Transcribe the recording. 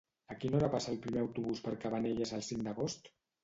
A quina hora passa el primer autobús per Cabanelles el cinc d'agost?